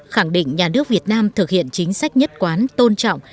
khẳng định nhà nước việt nam thực hiện chính sách nhất quán tôn trọng